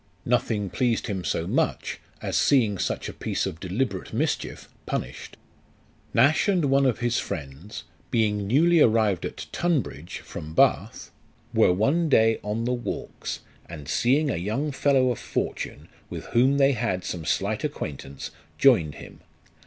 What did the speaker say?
Nothing pleased him so much as seeing such a piece of deliberate mischief punished. Nash and one of his friends, being newly arrived at Tunbridge from Bath, were one day on the walks, and seeing a young fellow of fortune with whom they had some slight acquaintance, joined him.